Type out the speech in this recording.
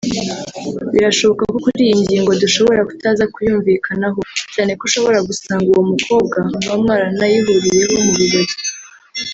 Birashoboka ko kuri iyi ngingo dushobora kutaza kuyumvikanaho cyane ko ushobora gusanga uwo mukobwa muba mwaranahuriye mu birori